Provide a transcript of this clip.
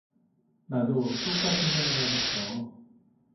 나도 똑같은 생각을 했어.